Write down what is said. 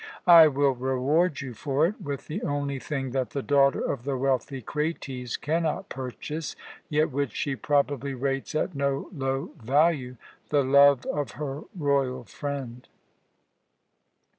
I will reward you for it with the only thing that the daughter of the wealthy Krates cannot purchase, yet which she probably rates at no low value the love of her royal friend."